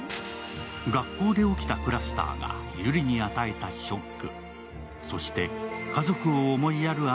学校で起きたクラスターがゆりに与えたショック。